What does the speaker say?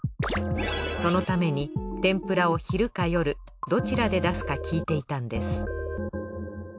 そのために天ぷらを昼か夜どちらで出すか聞いていたんです